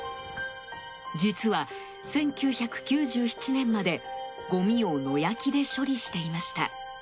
実は１９９７年まで、ごみを野焼きで処理していました。